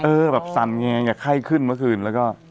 เออแบบซันแกงมาไม่ขึ้นเมื่อกลับแล้วก็